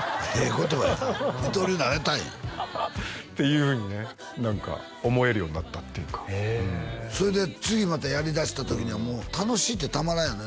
言葉やな二刀流なれたんやっていうふうにね何か思えるようになったっていうかへえそれで次またやりだした時にはもう楽しくてたまらんよね